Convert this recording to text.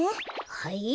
はい？